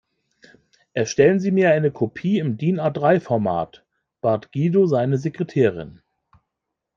Erstellen Sie mir eine Kopie im DIN-A-drei Format, bat Guido seine Sekretärin.